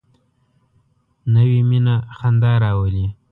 نوې مینه خندا راولي